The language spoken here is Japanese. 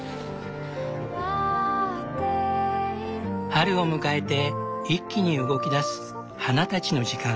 春を迎えて一気に動きだす花たちの時間。